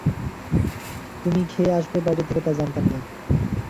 তুমি খেয়ে আসবে বাইরে থেকে, তা জানতাম না।